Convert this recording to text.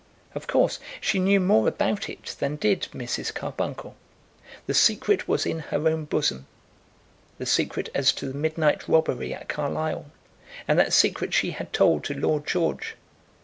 Of course, she knew more about it than did Mrs. Carbuncle. The secret was in her own bosom, the secret as to the midnight robbery at Carlisle, and that secret she had told to Lord George.